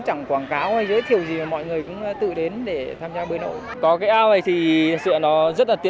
thì mọi người cũng đến tham gia